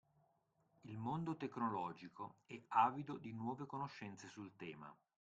Il mondo tecnologico è avido di nuove conoscenze sul tema